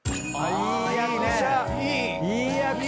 いい役者！